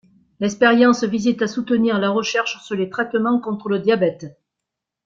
L'expérience visait à soutenir la recherche sur les traitements contre le diabète.